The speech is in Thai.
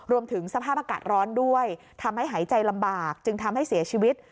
รวมถึงสภาพอากาศร้อนด้วยทำให้หายใจลำบากจึงทำให้เสียชีวิต